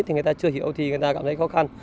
thì người ta chưa hiểu thì người ta cảm thấy khó khăn